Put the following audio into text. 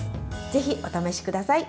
ぜひ、お試しください。